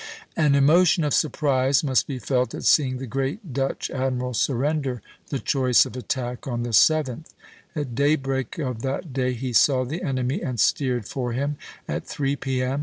] An emotion of surprise must be felt at seeing the great Dutch admiral surrender the choice of attack on the 7th. At daybreak of that day he saw the enemy and steered for him; at three P.M.